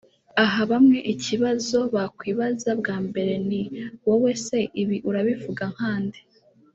Aha bamwe ikibazo bakwibaza bwa mbere ni “ wowe se ibi urabivuga nka nde